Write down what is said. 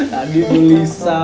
tadi itu lisa